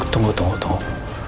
tunggu tunggu tunggu